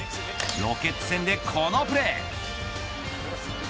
ロケッツ戦でこのプレー。